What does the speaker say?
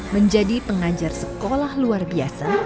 menjadi pengajar sekolah luar biasa